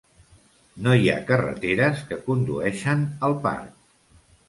No hi ha carreteres que condueixen al parc.